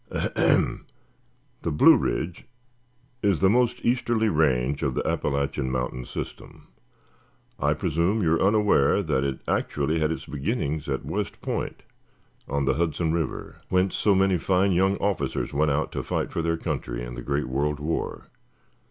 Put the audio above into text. Ahem! The Blue Ridge is the most easterly range of the Appalachian mountain system. I presume you are unaware that it actually has its beginning at West Point on the Hudson River, whence so many fine young officers went out to fight for their country in the great World War.